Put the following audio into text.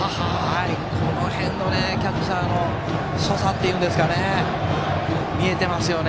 この辺のキャッチャーの所作といいますか見えていますよね。